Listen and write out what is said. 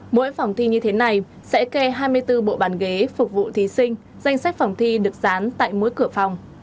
mỗi phòng thi như thế này sẽ kê hai mươi bốn bộ bàn ghế phục vụ thí sinh danh sách phòng thi được dán tại mỗi cửa phòng